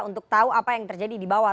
untuk tahu apa yang terjadi di bawah